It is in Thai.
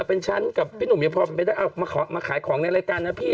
เป็นฉันกับพี่หนุ่มเยอะพอมาขายของในรายการนะพี่